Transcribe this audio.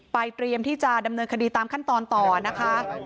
เตรียมที่จะดำเนินคดีตามขั้นตอนต่อนะคะ